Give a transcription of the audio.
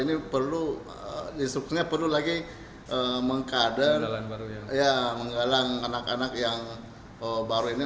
ini perlu instrukturnya perlu lagi menggalang anak anak yang baru ini